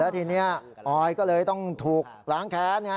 ทีนี้ออยก็เลยต้องถูกล้างแค้น